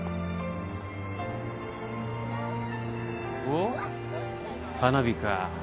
おっ花火か。